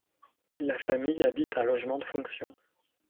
La famille habite un logement de fonction.